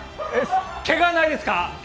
けがはないですか？